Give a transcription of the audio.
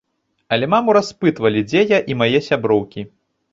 Але маму распытвалі, дзе я і мае сяброўкі.